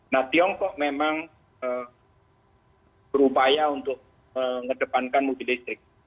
nah tiongkok memang berupaya untuk mengedepankan mobil listrik